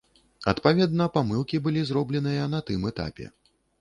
Адпаведна, памылкі былі зробленыя на тым этапе.